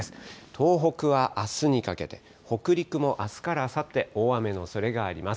東北はあすにかけて、北陸もあすからあさって、大雨のおそれがあります。